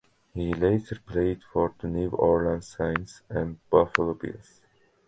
He later played for the New Orleans Saints and Buffalo Bills.